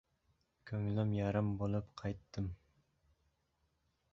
Ko‘nglim yarim bo‘lib qaytdim.